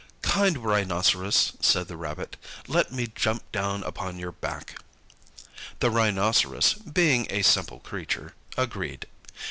"Kind Rhinoceros," said the Rabbit, "let me jump down upon your back." The Rhinoceros, being a simple creature, agreed.